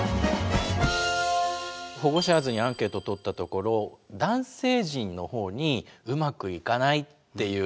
ホゴシャーズにアンケートをとったところ男性陣の方にうまくいかないっていう答えが多いようなんですね。